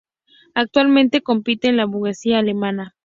Actualmente compite en la Bundesliga alemana.